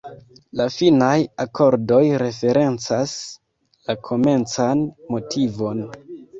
La finaj akordoj referencas la komencan motivon.